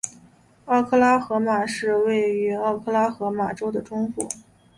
奥克拉荷马市位于奥克拉荷马州的中部。